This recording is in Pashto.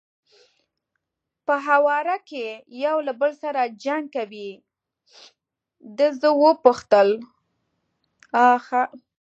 په هواره کې یو له بل سره جنګ کوي، ده زه وپوښتل: آ ښه.